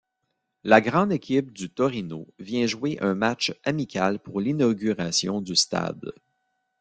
La grande équipe du Torino vient jouer un match amical pour l'inauguration du stade.